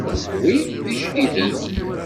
Wi d ijdiden.